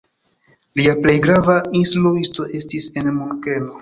Lia plej grava instruisto estis en Munkeno.